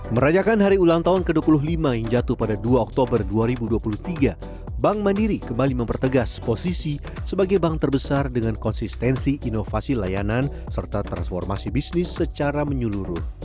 merajakan hari ulang tahun ke dua puluh lima yang jatuh pada dua oktober dua ribu dua puluh tiga bank mandiri kembali mempertegas posisi sebagai bank terbesar dengan konsistensi inovasi layanan serta transformasi bisnis secara menyeluruh